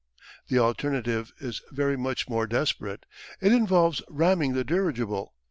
The alternative is very much more desperate. It involves ramming the dirigible.